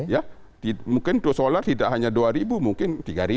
ya mungkin do solar tidak hanya dua ribu mungkin tiga ribu